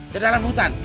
ke dalam hutan